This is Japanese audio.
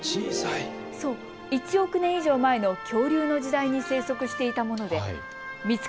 １億年以上前の恐竜の時代に生息していたものです。